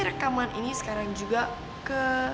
rekaman ini sekarang juga ke